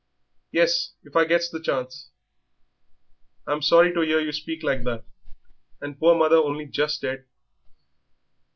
"Yes, if I gets the chance." "I'm sorry to 'ear you speak like that, and poor mother only just dead."